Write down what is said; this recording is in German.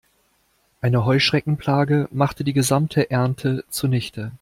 Eine Heuschreckenplage machte die gesamte Ernte zunichte.